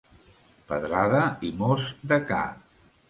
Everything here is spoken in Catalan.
Pedrada i mos de ca.